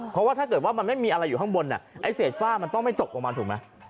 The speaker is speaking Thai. เพราะว่าถ้าเกิดว่ามันไม่มีอะไรอยู่ข้างบนไอ้เศษฝ้ามันต้องไม่ตกลงมาถูกไหม